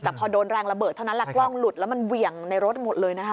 แต่พอโดนแรงระเบิดเท่านั้นแหละกล้องหลุดแล้วมันเหวี่ยงในรถหมดเลยนะคะ